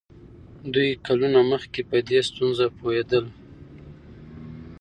دوی کلونه مخکې په دې ستونزه پوهېدل.